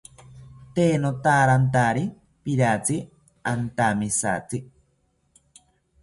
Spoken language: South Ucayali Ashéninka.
Tee notawantari piratzi antamijatzi